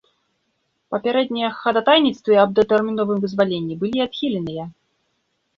Папярэднія хадатайніцтвы аб датэрміновым вызваленні былі адхіленыя.